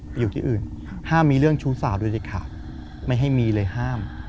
ไปอยู่ที่อื่นห้ามมีเรื่องชู้สาวโดยเด็ดขาดไม่ให้มีเลยห้าม